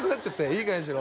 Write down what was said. いい加減にしろ！